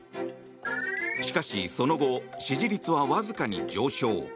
しかし、その後支持率はわずかに上昇。